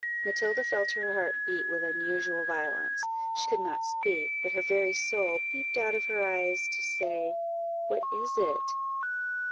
Matilda felt her heart beat with unusual violence; she could not speak, but her very soul peeped out of her eyes to say "What is it?"